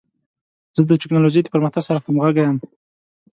زه د ټکنالوژۍ د پرمختګ سره همغږی یم.